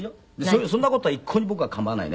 そんな事は一向に僕は構わないね。